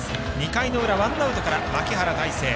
２回の裏、ワンアウトから牧原大成。